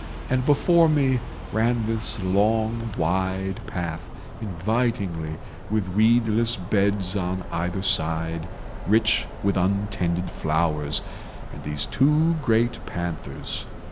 And before me ran this long wide path, invitingly, with weedless beds on either side, rich with untended flowers, and these two great panthers.